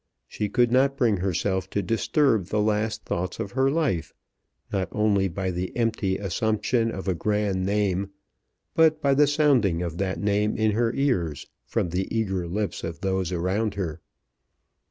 She could not bring herself to disturb the last thoughts of her life, not only by the empty assumption of a grand name, but by the sounding of that name in her ears from the eager lips of those around her.